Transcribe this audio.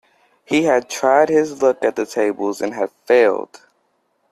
He had tried his luck at the tables and had failed.